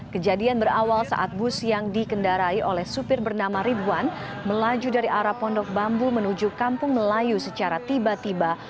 kejadian berawal saat bus yang dikendarai oleh supir bernama ribuan melaju dari arah pondok bambu menuju kampung melayu secara tiba tiba